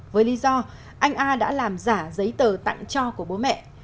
với lý do anh a đã làm giả giấy tờ tặng cho của bố mẹ